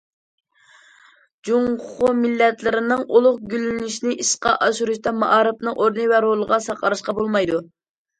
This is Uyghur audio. جۇڭخۇا مىللەتلىرىنىڭ ئۇلۇغ گۈللىنىشىنى ئىشقا ئاشۇرۇشتا مائارىپنىڭ ئورنى ۋە رولىغا سەل قاراشقا بولمايدۇ.